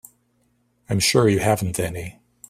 I'm sure you haven't any.